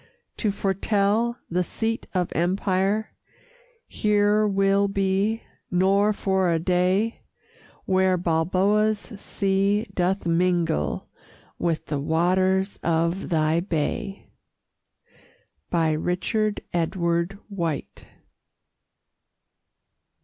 To foretell the seat of empire Here will be, nor for a day, Where Balboa's sea doth mingle With the waters of thy bay! RICHARD EDWARD WHITE.